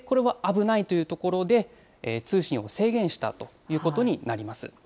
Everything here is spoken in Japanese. これは危ないというところで、通信を制限したということになります。